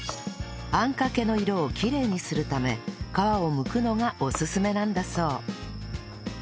あんかけの色をきれいにするため皮をむくのがおすすめなんだそう